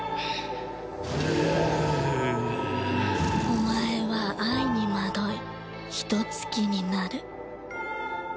お前は愛に惑いヒトツ鬼になる